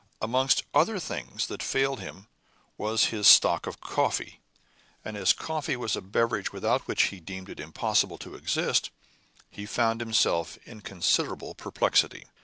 Amongst other things that failed him was his stock of coffee, and as coffee was a beverage without which he deemed it impossible to exist, he found himself in considerable perplexity.